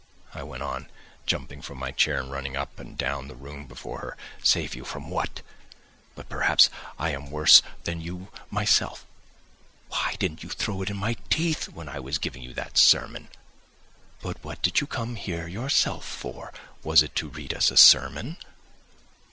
I went on, jumping up from my chair and running up and down the room before her. "Save you from what? But perhaps I am worse than you myself. Why didn't you throw it in my teeth when I was giving you that sermon: 'But what did you come here yourself for? was it to read us a sermon?